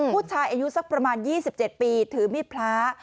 ผู้ชายอายุสักประมาณ๒๗ปีถือมีดพระ